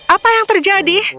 apa yang terjadi